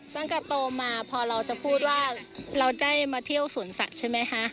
ตั้งแต่โตมาพอเราจะพูดว่าเราได้มาเที่ยวสวนสัตว์ใช่ไหมคะ